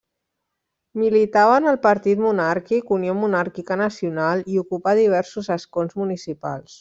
Militava en el partit monàrquic Unió Monàrquica Nacional i ocupà diversos escons municipals.